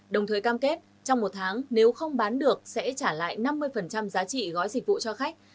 đồng thời cam kết trong một tháng nếu không bán được sẽ trả lại năm mươi giá trị gói dịch vụ cho khách